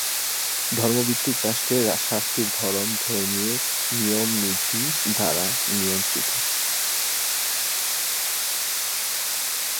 ধর্মভিত্তিক রাষ্ট্রে শাস্তির ধরন ধর্মীয় নিয়মনিধি দ্বারা নিয়ন্ত্রিত।